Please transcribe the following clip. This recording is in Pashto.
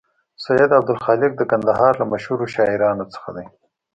سید عبدالخالق د کندهار له مشهور شاعرانو څخه دی.